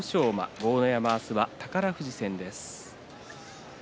豪ノ山、明日は宝富士戦です。